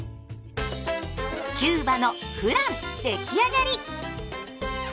キューバのフラン出来上がり！